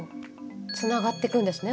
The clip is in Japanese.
つながってくんですね